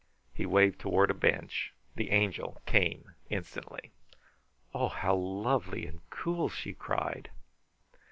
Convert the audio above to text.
He waved toward a bench. The Angel came instantly. "Oh, how lovely and cool!" she cried.